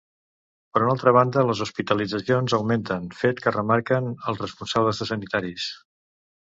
Per una altra banda, les hospitalitzacions augmenten, fet que remarquen els responsables de sanitaris.